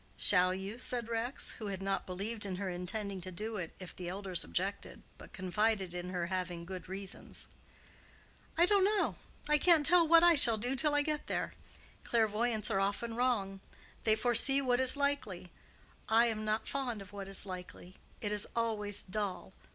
"Shall you?" said Rex, who had not believed in her intending to do it if the elders objected, but confided in her having good reasons. "I don't know. I can't tell what I shall do till I get there. Clairvoyants are often wrong: they foresee what is likely. I am not fond of what is likely: it is always dull.